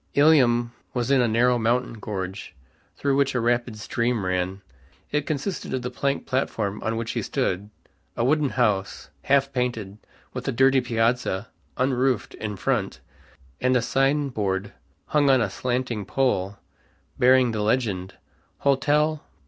Ilium was in a narrow mountain gorge, through which a rapid stream ran. It consisted of the plank platform on which he stood, a wooden house, half painted, with a dirty piazza (unroofed) in front, and a sign board hung on a slanting pole bearing the legend, "Hotel.